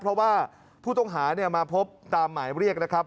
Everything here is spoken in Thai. เพราะว่าผู้ต้องหามาพบตามหมายเรียกนะครับ